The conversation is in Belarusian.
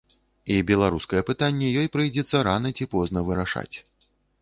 І беларускае пытанне ёй прыйдзецца рана ці позна вырашаць.